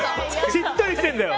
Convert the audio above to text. しっとりしてるんだよ。